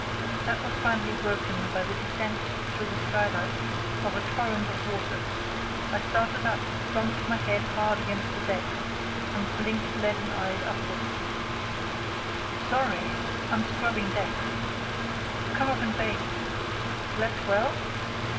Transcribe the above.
That was finally broken by the descent through the skylight of a torrent of water. I started up, bumped my head hard against the decks, and blinked leaden eyed upwards. "Sorry! I'm scrubbing decks. Come up and bathe. Slept well?"